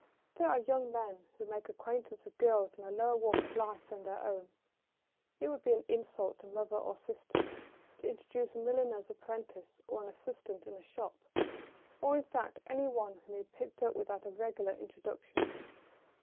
There are young men who make acquaintance with girls in a lower walk of life than their own. It would be an insult to mother or sister to introduce a milliner's apprentice or an assistant in a shop, or, in fact, any one whom he had picked up without a regular introduction.